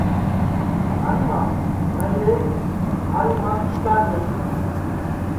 مھاری ماں نائیرے مھاری ماسی چاک نائی تی